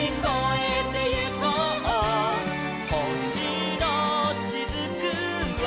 「ほしのしずくは」